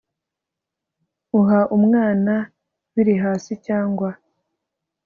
uha umwana biri hasi, cyangwa